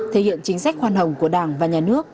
thể hiện chính sách khoan hồng của đảng và nhà nước